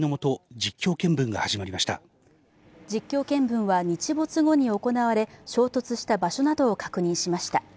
実況見分は日没後に行われ衝突した場所などを確認しました。